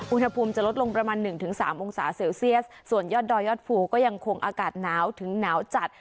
อุณหภูมิจะลดลงประมาณหนึ่งถึงสามองศาเซลเซียสส่วนยอดดอยยอดภูก็ยังคงอากาศหนาวถึงหนาวจัด